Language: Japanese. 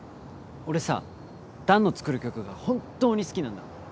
俺さ弾の作る曲が本当に好きなんだ